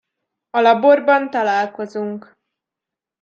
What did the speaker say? A laborban találkozunk.